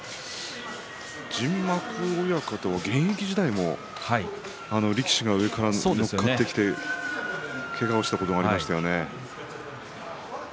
陣幕親方は現役時代も力士が上に乗っかってきてけがをしたことがありましたよね。